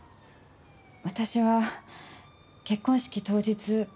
私は結婚式当日。